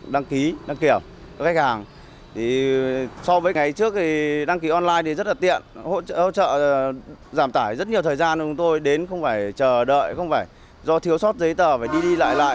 đăng ký online thì rất là tiện hỗ trợ giảm tải rất nhiều thời gian cho chúng tôi đến không phải chờ đợi không phải do thiếu sót giấy tờ phải đi đi lại lại